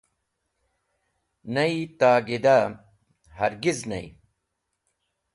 Ney, tagida (hargiz) ney.